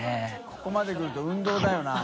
ここまでくると運動だよな。